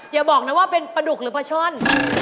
อย่าบอกนะว่าเป็นปลาดุกหรือปลาช่อน